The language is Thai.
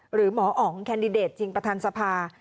หรือหมออ๋องแคนดิเดตจริงประธานสภา